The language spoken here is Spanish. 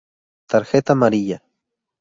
Tarjeta Amarilla.